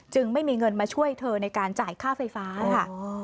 ไม่มีเงินมาช่วยเธอในการจ่ายค่าไฟฟ้าค่ะ